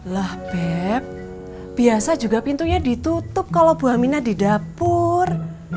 lah beb biasa juga pintunya ditutup kalau bu aminah di dapur